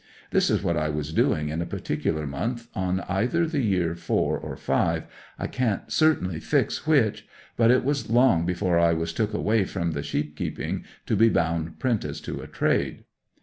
This is what I was doing in a particular month in either the year four or five—I can't certainly fix which, but it was long before I was took away from the sheepkeeping to be bound prentice to a trade.